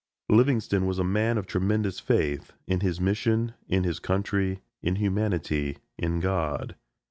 Livingstone was a man of tremendous faith, in his mission, in his country, in humanity, in God.